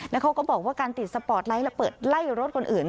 แล้วเขาก็บอกว่าการติดสปอร์ตไลท์และเปิดไล่รถคนอื่น